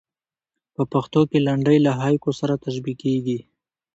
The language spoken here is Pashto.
په پښتو کښي لنډۍ له هایکو سره تشبیه کېږي.